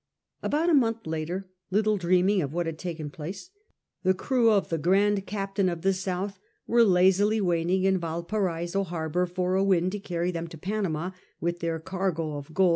About a month later, little dreaming what had taken place, the crew of the Grand Captain of the South were lazily waiting in Valparaiso harbour for a wind to carry them to Panama with their cargo of gold and Chili wine.